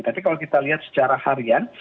tapi kalau kita lihat secara harian